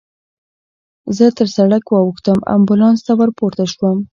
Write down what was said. زه تر سړک واوښتم، امبولانس ته ورپورته شوم.